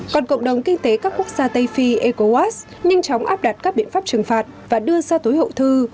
còn cộng đồng kinh tế các quốc gia tây phi ecowas nhanh chóng áp đặt các biện pháp trừng phạt và đưa ra tối hậu thư